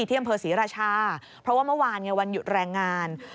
ที่อำเภอศรีราชาเพราะว่าเมื่อวานไงวันหยุดแรงงาน